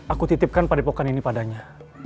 aku titipkan pada pokok ini padanya